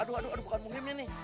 aduh aduh aduh bukan muhrimnya nih